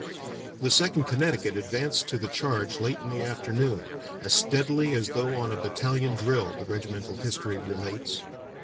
The Second Connecticut advanced to the charge late in the afternoon "as steadily as though on a battalion drill," the regimental history relates.